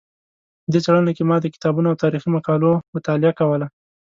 په دې څېړنه کې ما د کتابونو او تاریخي مقالو مطالعه کوله.